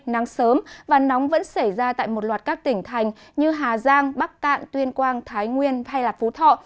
nắng sớm và nóng vẫn xảy ra tại một loạt các tỉnh thành như hà giang bắc cạn tuyên quang thái nguyên hay phú thọ